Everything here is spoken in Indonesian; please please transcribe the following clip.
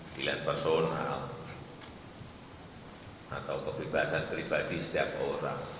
pilihan personal atau kebebasan pribadi setiap orang